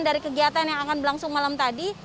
dari kegiatan yang akan berlangsung malam tadi